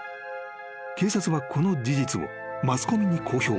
［警察はこの事実をマスコミに公表］